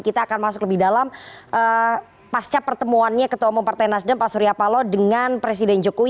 kita akan masuk lebih dalam pasca pertemuannya ketua umum partai nasdem pak surya paloh dengan presiden jokowi